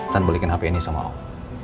tanpa belikan hp ini sama om